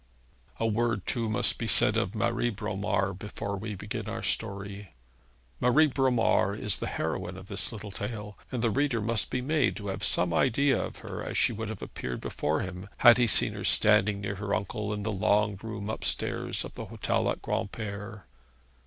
A word too must be said of Marie Bromar before we begin our story. Marie Bromar is the heroine of this little tale; and the reader must be made to have some idea of her as she would have appeared before him had he seen her standing near her uncle in the long room upstairs of the hotel at Granpere.